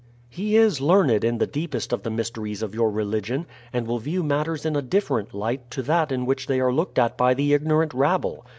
"He is learned in the deepest of the mysteries of your religion, and will view matters in a different light to that in which they are looked at by the ignorant rabble.